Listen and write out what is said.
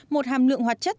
một hàm lượng hoạt chất